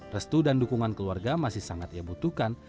restu dan dukungan keluarga masih sangat ia butuhkan